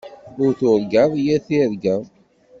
Ur turgaḍ yir tirga.